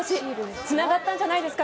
つながったんじゃないですか？